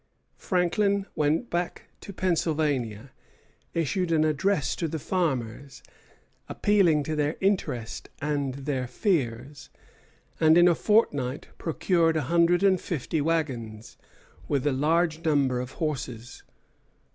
Franklin went back to Pennsylvania, issued an address to the farmers appealing to their interest and their fears, and in a fortnight procured a hundred and fifty wagons, with a large number of horses.